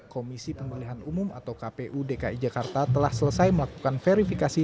komisi pemilihan umum atau kpu dki jakarta telah selesai melakukan verifikasi